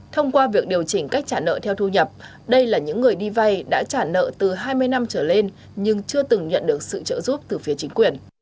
thông qua việc điều chỉnh cách trả nợ theo thu nhập đây là những người đi vay đã trả nợ từ hai mươi năm trở lên nhưng chưa từng nhận được sự trợ giúp từ phía chính quyền